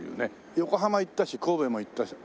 横浜行ったし神戸も行ったし。